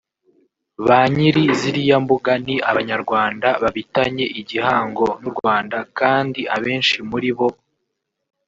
Ba nyiri ziriya mbuga ni abanyarwanda babitanye igihango n’ u Rwanda kandi abenshi muri bo